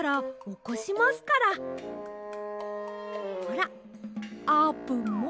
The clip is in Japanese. ほらあーぷんも。